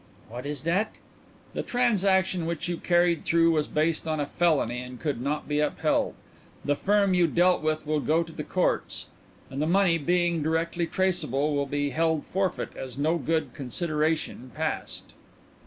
"What is that?" "The transaction which you carried through was based on a felony and could not be upheld. The firm you dealt with will go to the courts, and the money, being directly traceable, will be held forfeit as no good consideration passed."